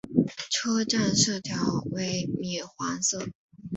车站色调为米黄色。